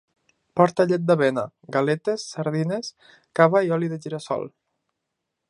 Porta llet d'avena, galetes, sardines, cava i oli de gira-sol